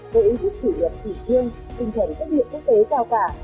có ý thức kỷ niệm thủy thiêng tinh thần trách nhiệm quốc tế cao cả